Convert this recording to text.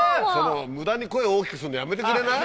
無駄に声大きくするのやめてくれない？